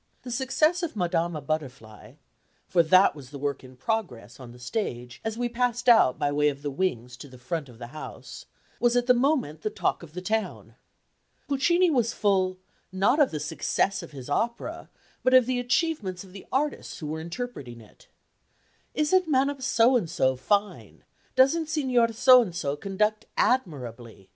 The success of Madama Butterfly for that was the work in progress on the stage as we passed out by way of the "wings" to the front of the house was at the moment the talk of the town. Puccini was full, not of the success of his opera, but of the achievements of the artists who were interpreting it. "Isn't Madame So and so fine?" "Doesn't Signor So and so conduct admirably?"